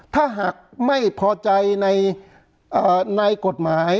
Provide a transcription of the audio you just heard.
ถ้าหากไม่พอใจในกฎหมาย